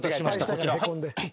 こちら。